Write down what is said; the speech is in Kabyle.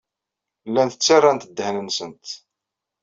Llant ttarrant ddehn-nsent.